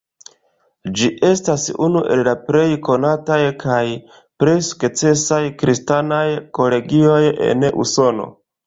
Ĝi estas unu el la plej konataj kaj plej sukcesaj kristanaj kolegioj en Usono.